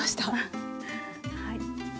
はい。